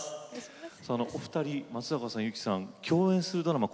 さあお二人松坂さん由紀さん共演するドラマ